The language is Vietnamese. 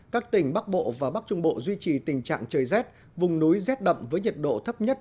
các tỉnh bắc bộ và bắc trung bộ duy trì tình trạng trời rét vùng núi rét đậm với nhiệt độ thấp nhất